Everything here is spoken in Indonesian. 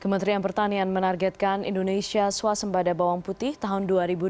kementerian pertanian menargetkan indonesia swasembada bawang putih tahun dua ribu dua puluh